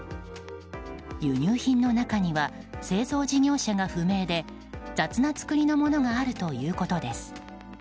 輸入品の中には製造事業者が不明で雑な作りのものがあるということです。